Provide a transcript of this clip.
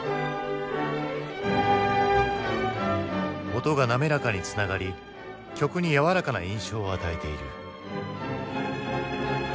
音が滑らかにつながり曲に柔らかな印象を与えている。